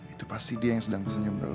itu pasti dia yang sedang senyum ke lo